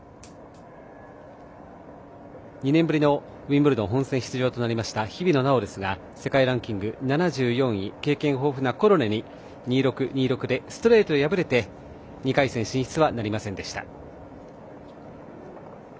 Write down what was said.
２年ぶりのウィンブルドン本戦出場となりました日比野菜緒ですが世界ランキング７４位経験豊富なコルネに２−６、２−６でストレートで敗れて２回戦進出はなりませんでした。